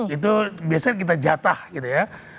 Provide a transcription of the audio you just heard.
itu biasanya kita jatah gitu ya